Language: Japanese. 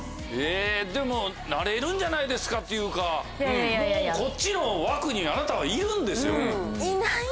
でもなれるんじゃないですかっていうかもうこっちの枠にあなたはいるんですよ。